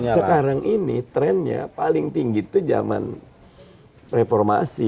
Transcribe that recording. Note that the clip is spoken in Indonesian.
sekarang ini trennya paling tinggi itu zaman reformasi